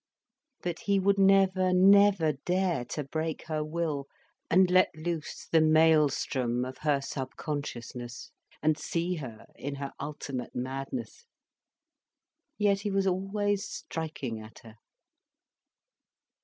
But he would never, never dare to break her will, and let loose the maelstrom of her subconsciousness, and see her in her ultimate madness. Yet he was always striking at her.